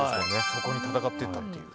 そこに戦っていったという。